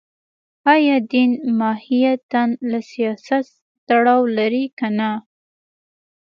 ایا دین ماهیتاً له سیاست تړاو لري که نه